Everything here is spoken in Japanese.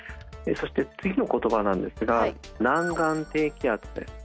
そして次の言葉なんですが南岸低気圧です。